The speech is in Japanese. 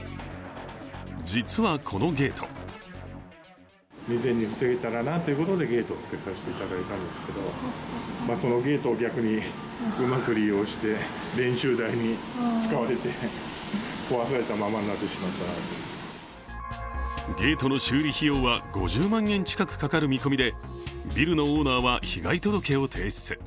実はこのゲートゲートの修理費用は５０万円近くかかる見込みでビルのオーナーは被害届を提出。